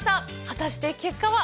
果たして結果は！？